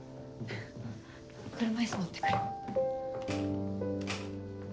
車椅子持って来る。